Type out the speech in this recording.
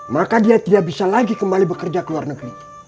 maka dia tidak bisa lagi kembali bekerja ke luar negeri